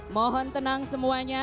mohon tenang semuanya